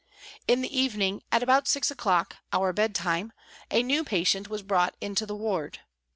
In the evening at about six o'clock, our bed time, a new patient was brought into the ward.